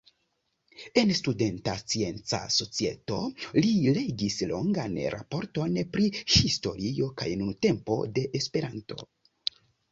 En Studenta Scienca Societo li legis longan raporton pri "historio kaj nuntempo de Esperanto".